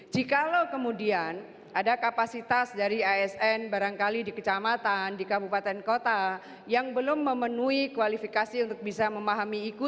jikalau kemudian ada kapasitas dari asn barangkali di kecamatan di kabupaten kota yang belum memenuhi kualifikasi untuk bisa memahami itu